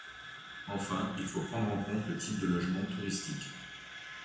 Enfin, il faut prendre en compte le type de logement touristique.